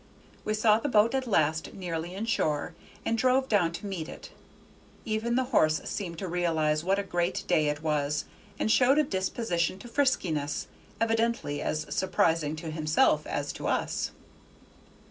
We saw the boat at last nearly in shore, and drove down to meet it: even the horse seemed to realize what a great day it was, and showed a disposition to friskiness, evidently as surprising to himself as to us.